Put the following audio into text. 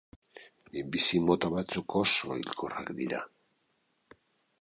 Minbizi mota batzuk oso hilkorrak dira.